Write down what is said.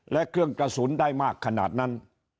และเครื่องกระสุนได้มากขนาดนั้น